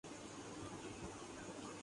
western Australia time